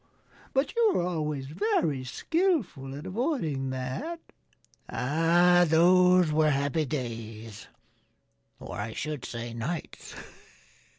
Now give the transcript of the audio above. But you were always very skillful at avoiding that." "Ah! Those were happy days or, I should say, nights!"